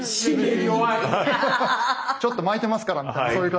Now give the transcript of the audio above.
ちょっと巻いてますからみたいなそういう感じ。